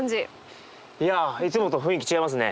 いやいつもと雰囲気違いますね。